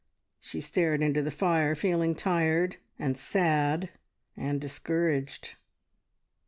She stared into the fire, feeling tired, and sad, and discouraged.